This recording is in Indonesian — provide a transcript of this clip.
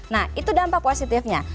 nah itu dampak positifnya